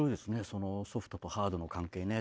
そのソフトとハードの関係ね。